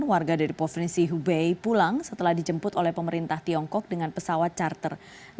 warga dari provinsi hubei pulang setelah dijemput oleh pemerintah tiongkok dengan pesawat charter